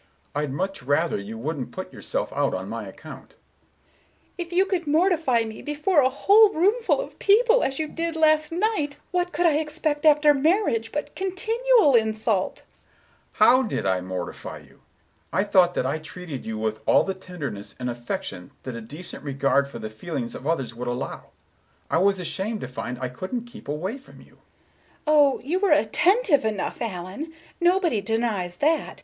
Mr. Richards: "I'd much rather you wouldn't put yourself out on my account." Miss Galbraith, without regarding him: "If you could mortify me before a whole roomful of people, as you did last night, what could I expect after marriage but continual insult?" Mr. Richards, in amazement: "How did I mortify you? I thought that I treated you with all the tenderness and affection that a decent regard for the feelings of others would allow. I was ashamed to find I couldn't keep away from you." Miss Galbraith: "Oh, you were attentive enough, Allen; nobody denies that.